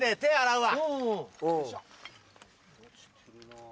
うわ！